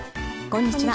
こんにちは。